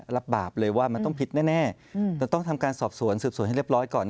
รับบาปเลยว่ามันต้องผิดแน่แต่ต้องทำการสอบสวนสืบสวนให้เรียบร้อยก่อน